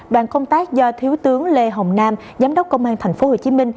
đoàn công tác do thiếu tướng lê hồng nam giám đốc công an tp hcm